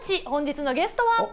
本日のゲストは。